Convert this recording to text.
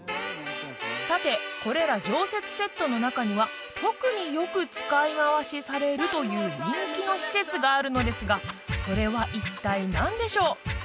さてこれら常設セットの中には特によく使い回しされるという人気の施設があるのですがそれは一体何でしょう？